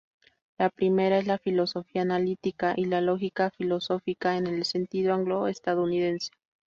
La primera es la filosofía analítica y la lógica filosófica en el sentido anglo-estadounidense.